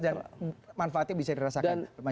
dan manfaatnya bisa dirasakan oleh masyarakat